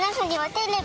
テレビ。